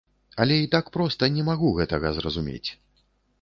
Але і так проста не магу гэтага зразумець.